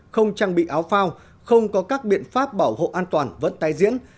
không trang bị áo phao không có các biện pháp bảo hộ an toàn vẫn tái diễn